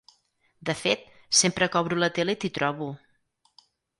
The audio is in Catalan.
De fet, sempre que obro la tele t'hi trobo.